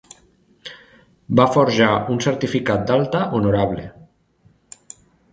Va forjar un certificat d'alta honorable.